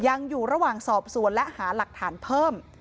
ยังอยู่ระหว่างสอบสวนและหาหลักฐานเพิ่ม